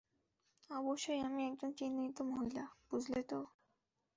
অবশ্যই, আমি একজন চিহ্নিত মহিলা, বুঝলে তো।